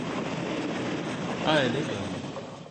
Ah ! elle est bonne !